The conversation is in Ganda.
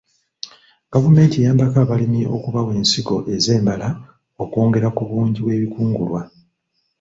Gavumenti eyambako abalimi okubawa ensigo ez'embala okwongera ku bungi bw'ebikungulwa.